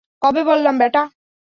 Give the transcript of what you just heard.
কবে বললাম, ব্যাটা?